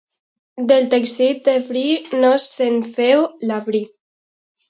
Del teixit de bri, no se'n veu la fi.